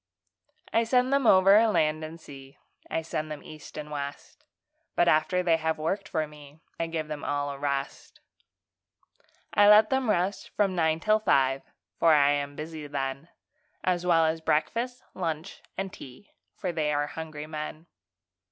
I send them over land and sea, I send them east and west; But after they have worked for me, I give them all a rest. I let them rest from nine till five, For I am busy then, As well as breakfast, lunch, and tea, For they are hungry men.